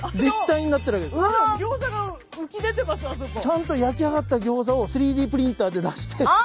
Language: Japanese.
ちゃんと焼き上がったギョーザを３Ｄプリンターで出して。